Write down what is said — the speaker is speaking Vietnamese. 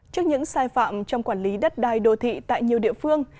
trước những sai phạm trong quản lý đất đai đô thị tại nhiều địa phương